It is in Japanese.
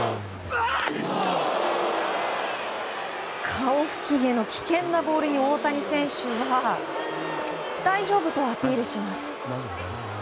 顔付近への危険なボールに大谷選手は大丈夫とアピールします。